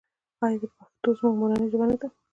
آیا پښتو زموږ مورنۍ ژبه نه ده؟